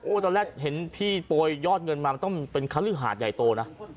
โอ้แต่แรกเห็นพี่ปล่อยยอดเงินมาต้องเป็นคลือหาดใหญ่โตนะ